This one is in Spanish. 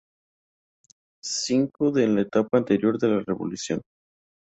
Cinco en la etapa anterior a la revolución.